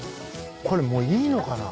これもういいのかな？